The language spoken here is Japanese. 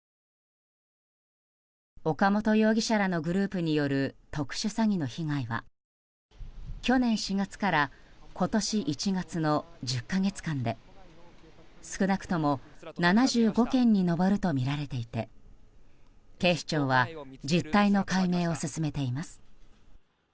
岡本容疑者らのグループによる特殊詐欺の被害は去年４月から今年１月の１０か月間で少なくとも７５件に上るとみられていて警視庁は実態の解明を進めています。